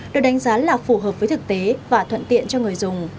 được đánh giá là phù hợp với thực tế và thuận tiện cho người dùng